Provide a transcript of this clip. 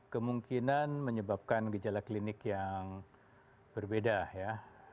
kemungkinan menyebabkan gejala klinik yang berbeda ya